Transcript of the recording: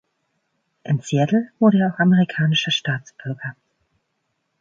In Seattle wurde er auch amerikanischer Staatsbürger.